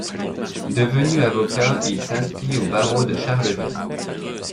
Devenu avocat, il s'inscrit au barreau de Charleville.